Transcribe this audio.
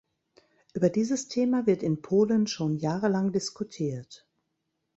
Über dieses Thema wird in Polen schon jahrelang diskutiert.